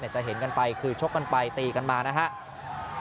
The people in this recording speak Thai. จะเห็นกันไปคือชกกันไปตีกันมานะครับ